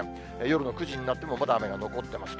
夜の９時になってもまだ雨が残っています。